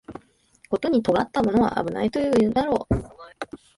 ことに尖ったものは危ないとこう言うんだろう